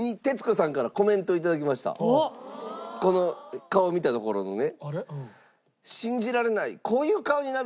ちなみにこの顔見たところのね。